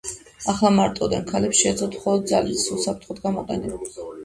ახლა მარტოოდენ ქალებს შეეძლოთ მხოლოდი ძალის უსაფრთხოდ გამოყენება.